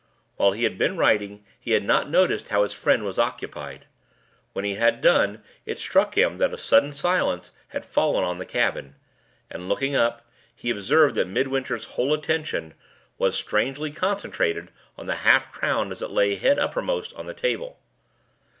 While he had been writing, he had not noticed how his friend was occupied. When he had done, it struck him that a sudden silence had fallen on the cabin; and, looking up, he observed that Midwinter's whole attention was strangely concentrated on the half crown as it lay head uppermost on the table.